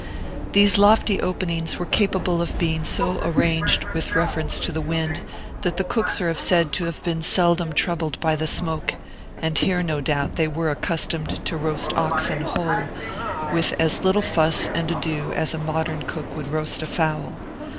These lofty openings were capable of being so arranged, with reference to the wind, that the cooks are said to have been seldom troubled by the smoke; and here, no doubt, they were accustomed to roast oxen whole, with as little fuss and ado as a modern cook would roast a fowl.